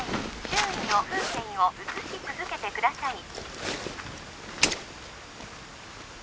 周囲の風景を写し続けてください